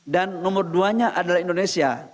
dan nomor dua nya adalah indonesia